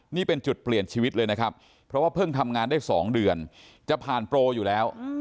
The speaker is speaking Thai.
นี่เป็นจุดเปลี่ยนชีวิตเลยนะครับเพราะว่าเพิ่งทำงานได้๒เดือนจะผ่านโปรอยู่แล้ว